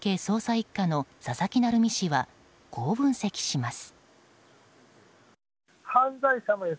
１課の佐々木成三氏はこう分析します。